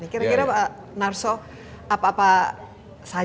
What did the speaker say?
kira kira pak narso apa apa saja